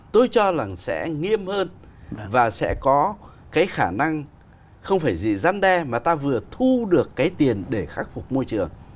tôi cho là sẽ nghiêm hơn và sẽ có cái khả năng không phải gì răn đe mà ta vừa thu được cái tiền để khắc phục môi trường